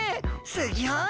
すギョい！